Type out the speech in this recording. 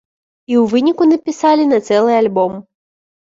І ў выніку напісалі на цэлы альбом.